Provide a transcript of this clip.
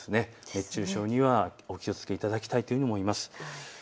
熱中症にはお気をつけいただきたいと思います。